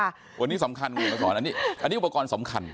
อันนี้สำคัญอันนี้อุปกรณ์สำคัญ